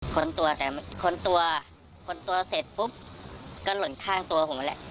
ค้นตัวแต่ค้นตัวค้นตัวเสร็จปุ๊บก็หล่นข้างตัวผมแหละ